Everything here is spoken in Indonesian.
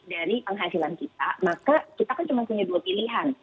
jadi penghasilan kita maka kita kan cuma punya dua pilihan